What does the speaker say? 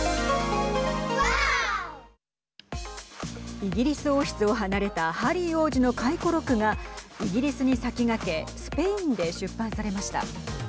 イギリス王室を離れたハリー王子の回顧録がイギリスに先駆けスペインで出版されました。